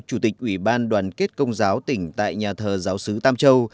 chủ tịch ủy ban đoàn kết công giáo tỉnh tại nhà thờ giáo sứ tam châu